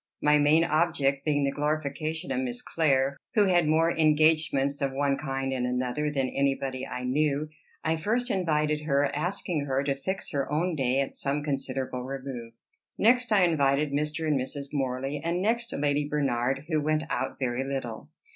My main object being the glorification of Miss Clare, who had more engagements of one kind and another than anybody I knew, I first invited her, asking her to fix her own day, at some considerable remove. Next I invited Mr. and Mrs. Morley, and next Lady Bernard, who went out very little.